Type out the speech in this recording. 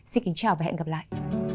xin kính chào và hẹn gặp lại